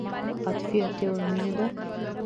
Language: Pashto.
عاطفي اړتیاوې مینه ده.